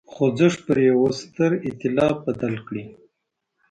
خوځښت پر یوه ستر اېتلاف بدل کړي.